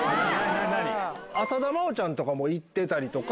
浅田真央ちゃんも行ってたりとか。